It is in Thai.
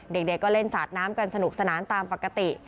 เด็กก็เล่นสาดน้ำกันสนุกสนานตามปกติ